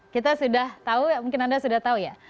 kita sudah tahu mungkin anda sudah tahu ya